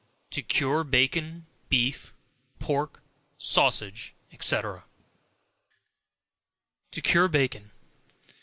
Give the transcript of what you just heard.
TO CURE BACON, BEEF, PORK, SAUSAGE, &c. To Cure Bacon.